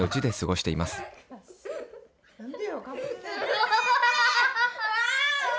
アハハハ！